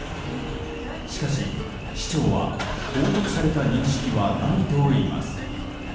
しかし、市長は報告された認識はないといいます。